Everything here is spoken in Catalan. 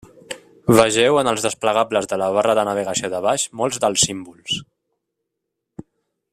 Vegeu en els desplegables de la barra de navegació de baix molts dels símbols.